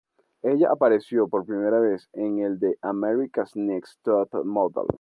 Ella apareció por primera vez en el de "America's Next Top Model".